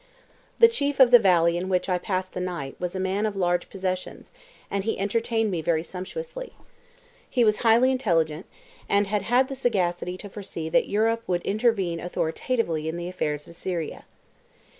The chief of the valley in which I passed the night was a man of large possessions, and he entertained me very sumptuously. He was highly intelligent, and had had the sagacity to foresee that Europe would intervene authoritatively in the affairs of Syria.